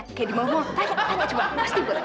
kayak di malmo tanya tanya coba pasti boleh